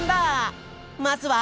まずは。